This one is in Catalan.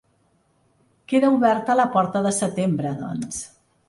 Queda oberta la porta de setembre, doncs.